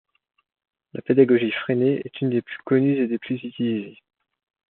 La pédagogie Freinet est une des plus connues et des plus utilisées.